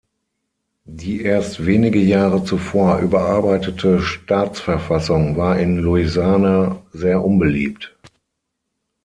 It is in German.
Die erst wenige Jahre zuvor überarbeitete Staatsverfassung war in Louisiana sehr unbeliebt.